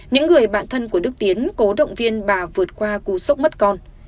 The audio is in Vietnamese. những người bạn thân của đức tiến cố động viên bà vượt qua cú sốc mất con